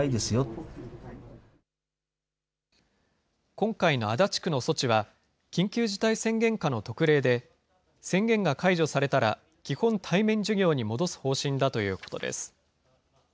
今回の足立区の措置は、緊急事態宣言下の特例で、宣言が解除されたら基本、対面授業に戻す方針だということです。